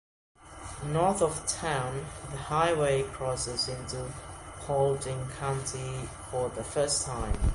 North of town, the highway crosses into Paulding County for the first time.